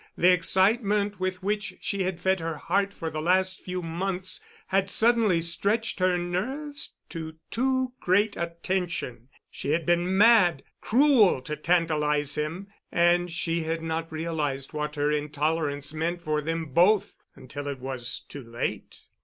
The excitement with which she had fed her heart for the last few months had suddenly stretched her nerves to too great a tension. She had been mad—cruel to tantalize him—and she had not realized what her intolerance meant for them both until it was too late.